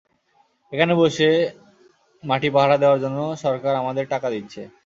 এখানে বসে মাটি পাহারা দেওয়ার জন্য সরকার আমাদের টাকা দিচ্ছে।